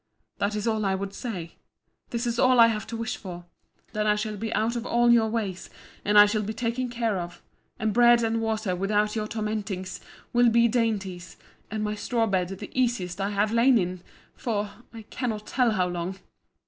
—That is all I would say: this is all I have to wish for—then I shall be out of all your ways; and I shall be taken care of; and bread and water without your tormentings, will be dainties: and my straw bed the easiest I have lain in—for—I cannot tell how long!